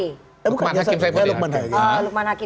lekman hakim saipadi